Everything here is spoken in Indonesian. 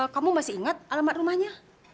kamu masih ingat alamat rumahnya